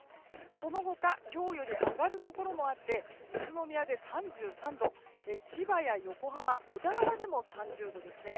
その他今日より上がるところもあって宇都宮で３３度千葉や横浜、小田原でも３０度です。